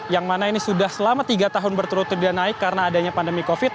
yang mana ini sudah selama tiga tahun berturut turut dan naik karena adanya pandemi covid